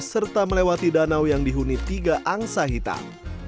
serta melewati danau yang dihuni tiga angsa hitam